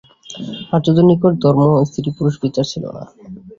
আর্যদের নিকট ধর্মে স্ত্রী-পুরুষ বিচার ছিল না।